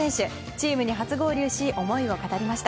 チームに初合流し思いを語りました。